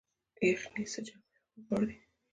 یخني څه جامې غواړي؟